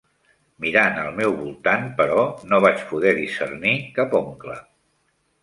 Mirant al meu voltant, però, no vaig poder discernir cap oncle.